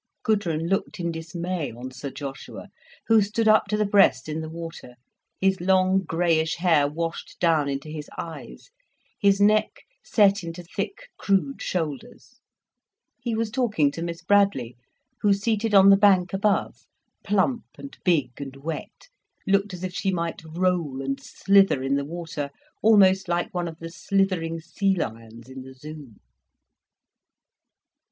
Gudrun looked in dismay on Sir Joshua, who stood up to the breast in the water, his long, greyish hair washed down into his eyes, his neck set into thick, crude shoulders. He was talking to Miss Bradley, who, seated on the bank above, plump and big and wet, looked as if she might roll and slither in the water almost like one of the slithering sealions in the Zoo.